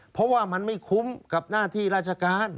เพราะว่ามันไม่คุ้มกับหน้าที่ราชการ